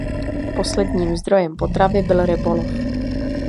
Posledním zdrojem potravy byl rybolov.